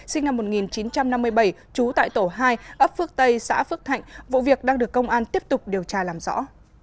sinh năm một nghìn chín trăm năm mươi bảy trú tại tổ hai ấp phước tây xã phước thạnh vụ việc đang được công an tiếp tục điều tra làm rõ